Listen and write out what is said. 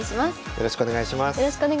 よろしくお願いします。